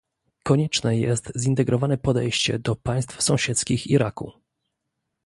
Konieczne jest zintegrowane podejście do państw sąsiedzkich Iraku